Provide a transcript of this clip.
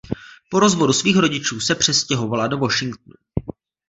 Po rozvodu svých rodičů se přestěhovala do Washingtonu.